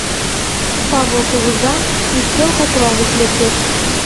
Павыл кугыза ӱстел кокла гыч лектеш.